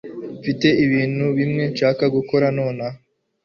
mfite ibintu bimwe nshaka gukora nonaha